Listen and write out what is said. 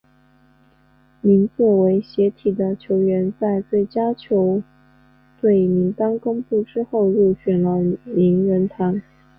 名字为斜体的球员在最佳球队名单公布之后入选了名人堂。